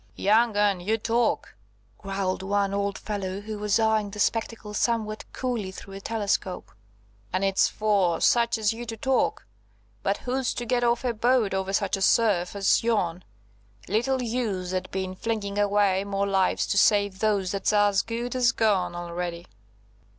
"Young 'un, you talk," growled one old fellow who was eyeing the spectacle somewhat coolly through a telescope; "and it's for such as you to talk; but who's to get off a boat over such a surf as yon? Little use there'd be in flinging away more lives to save those that's as as good as gone already."